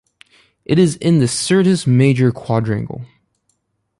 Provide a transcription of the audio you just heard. It is in the Syrtis Major quadrangle.